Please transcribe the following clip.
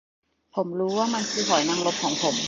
ผมรู้ว่ามันคือหอยนางรมของผม